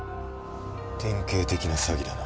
典型的な詐欺だな。